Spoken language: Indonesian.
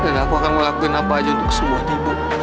dan aku akan melakukan apa aja untuk sembuh ibu